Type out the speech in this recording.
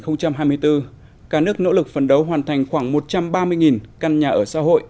năm hai nghìn hai mươi bốn cả nước nỗ lực phấn đấu hoàn thành khoảng một trăm ba mươi căn nhà ở xã hội